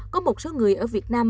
có một số người ở việt nam